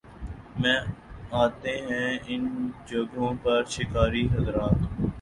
میں آتے ہیں ان جگہوں پر شکاری حضرات